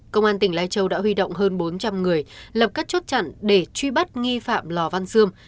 công an tỉnh lai châu đã huy động hơn bốn trăm linh người lập các chốt chặn để truy bắt nghi phạm lò văn xương